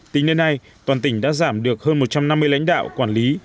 tính đến nay toàn tỉnh đã giảm được hơn một trăm năm mươi lãnh đạo quản lý